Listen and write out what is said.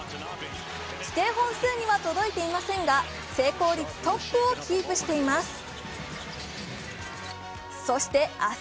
規定本数には届いていませんが成功率トップをキープしています。